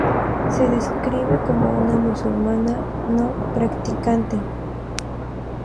Se describe como una "musulmana no practicante".